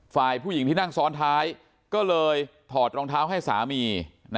ฝ่ายผู้หญิงที่นั่งซ้อนท้ายก็เลยถอดรองเท้าให้สามี